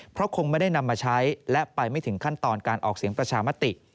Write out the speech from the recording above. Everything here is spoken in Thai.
เพราะคงไม่ได้นำมาใช้และไปไม่ถึงขั้นตอนการออกเสียงประชามติ